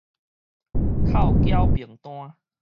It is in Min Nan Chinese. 扣繳憑單